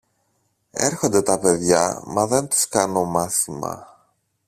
Έρχονται τα παιδιά, μα δεν τους κάνω μάθημα.